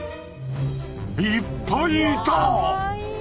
いっぱいいた！